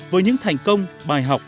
với những thành công bài học